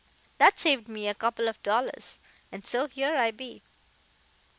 That saved me a couple of dollars. And so, here I be."